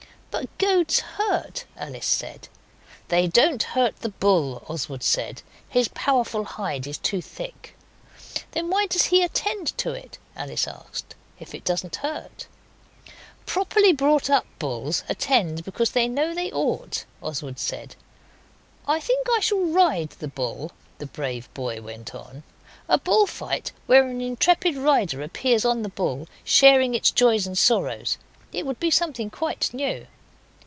'But goads hurt,' Alice said. 'They don't hurt the bull,' Oswald said; 'his powerful hide is too thick.' 'Then why does he attend to it,' Alice asked, 'if it doesn't hurt?' 'Properly brought up bulls attend because they know they ought,' Oswald said. 'I think I shall ride the bull,' the brave boy went on. 'A bull fight, where an intrepid rider appears on the bull, sharing its joys and sorrows. It would be something quite new.